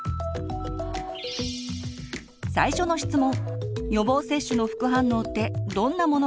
最初の質問！